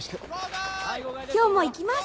今日も行きます。